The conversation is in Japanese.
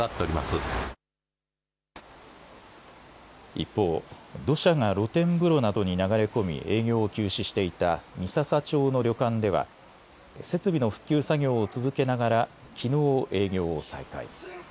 一方、土砂が露天風呂などに流れ込み、営業を休止していた三朝町の旅館では設備の復旧作業を続けながらきのう営業を再開。